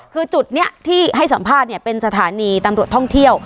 คือจุดนี้ที่ให้สัมภาษณ์เป็นสถานีตำรวจท่องเที่ยว